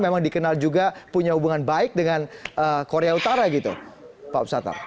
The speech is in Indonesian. memang dikenal juga punya hubungan baik dengan korea utara gitu pak ustatar